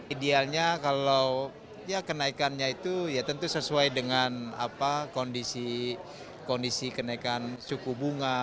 idealnya kalau kenaikannya itu ya tentu sesuai dengan kondisi kenaikan suku bunga